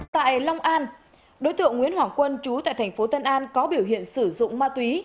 tại long an đối tượng nguyễn hoàng quân chú tại thành phố tân an có biểu hiện sử dụng ma túy